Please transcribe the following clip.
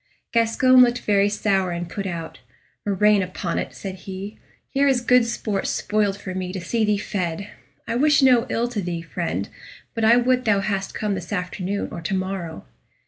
Gascoyne looked very sour and put out. "Murrain upon it!" said he; "here is good sport spoiled for me to see thee fed. I wish no ill to thee, friend, but I would thou hadst come this afternoon or to morrow."